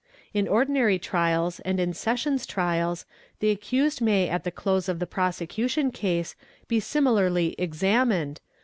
In ordinary trials and in Sessions trials, the accused may at the close of the prosecution case be similarly 'examined' (Cr.